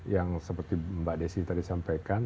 yang seperti mbak desi tadi sampaikan